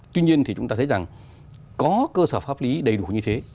tuy nhiên thì chúng ta thấy rằng có cơ sở pháp lý đầy đủ như thế